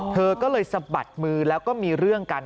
เธอก็เลยสะบัดมือแล้วก็มีเรื่องกัน